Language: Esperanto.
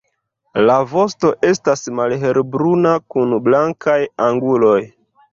La vosto estas malhelbruna kun blankaj anguloj.